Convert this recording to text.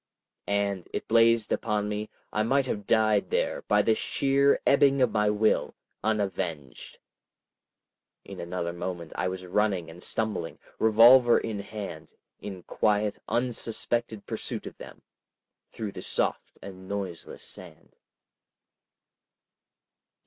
And, it blazed upon me, I might have died there by the sheer ebbing of my will—unavenged! In another moment I was running and stumbling, revolver in hand, in quiet unsuspected pursuit of them, through the soft and noiseless sand.